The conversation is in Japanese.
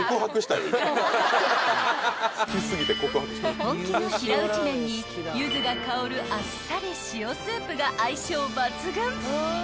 ［本気の平打ち麺にユズが香るあっさり塩スープが相性抜群］